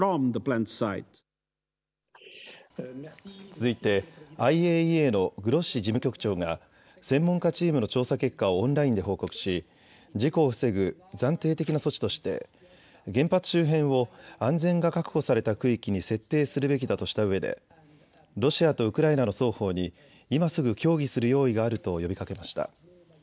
続いてＩＡＥＡのグロッシ事務局長が専門家チームの調査結果をオンラインで報告し事故を防ぐ暫定的な措置として原発周辺を安全が確保された区域に設定するべきだとしたうえでロシアとウクライナの双方に今すぐ協議する用意があると呼びかけました。